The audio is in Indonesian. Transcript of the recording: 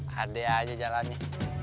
hadeh aja jalannya